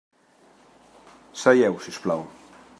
Seieu, si us plau.